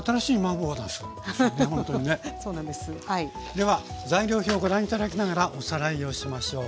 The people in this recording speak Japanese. では材料表をご覧頂きながらおさらいをしましょう。